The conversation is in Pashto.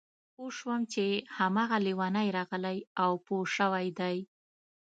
پوه شوم چې هماغه لېونی راغلی او پوه شوی دی